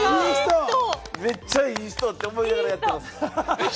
めっちゃいい人って思いながらやってます。